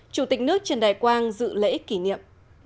chủ tịch nước trần đại quang dự lễ kỷ niệm